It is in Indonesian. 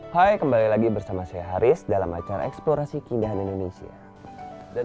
hai kembali lagi bersama saya haris dalam acara eksplorasi keindahan indonesia